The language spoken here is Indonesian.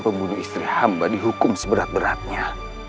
pembunuh istri hamba dihukum seberat beratnya